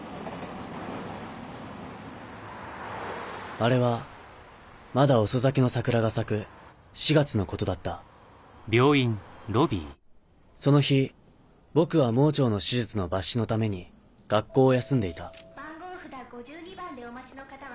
あれはまだ遅咲きの桜が咲く４月のことだったその日僕は盲腸の手術の抜糸のために学校を休んでいた番号札５２番でお待ちの方は。